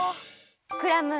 クラム。